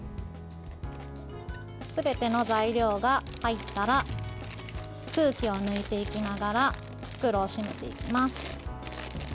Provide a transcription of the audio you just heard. すべての材料が入ったら空気を抜いていきながら袋を閉めていきます。